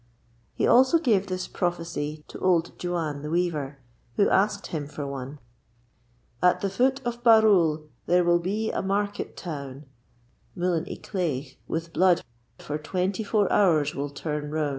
He also gave this prophecy to old Juan the weaver, who asked him for one: At the foot of Barrule there will be a market town, Mullin y Cleigh with blood for twenty four hours will turn roun'.